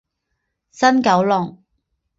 新九龙。